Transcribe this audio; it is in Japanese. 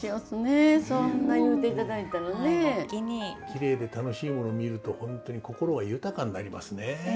きれいで楽しいもの見ると本当に心が豊かになりますね。